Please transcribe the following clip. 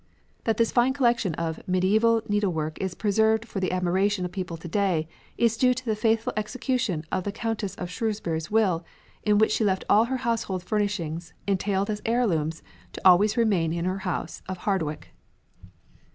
That this fine collection of medieval needlework is preserved for the admiration of people to day is due to the faithful execution of the Countess of Shrewsbury's will, in which she left all her household furnishings, entailed as heirlooms, to always remain in her House of Hardwick.